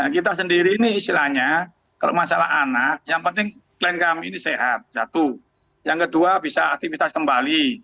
kita sendiri ini istilahnya kalau masalah anak yang penting klien kami ini sehat satu yang kedua bisa aktivitas kembali